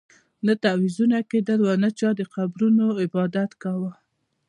نه تعویذونه کېدل او نه چا د قبرونو عبادت کاوه.